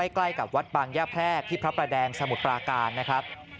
ใกล้กับวัดบางย่าแพรกที่พระประแดงสมุทรปราการนะครับ